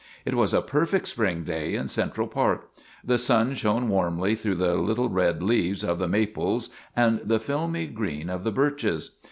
It was a perfect Spring day in Central Park. The sun shone warmly through the little red leaves of the maples and the filmy green of the birches.